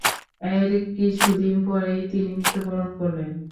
এর কিছুদিন পরেই তিনি মৃত্যুবরণ করলেন।